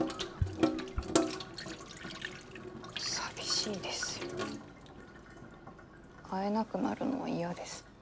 寂しいですよ会えなくなるのは嫌です。